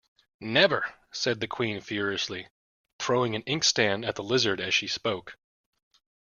‘Never!’ said the Queen furiously, throwing an inkstand at the Lizard as she spoke.